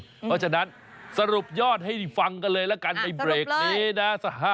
เพราะฉะนั้นสรุปยอดให้ฟังกันเลยละกันในเบรกนี้นะ